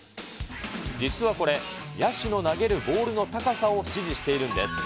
実はこれ、野手の投げるボールの高さを指示しているんです。